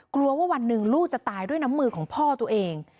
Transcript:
กลัวว่าวันหนึ่งลูกจะตายด้วยน้ำมือของพ่อตัวเอง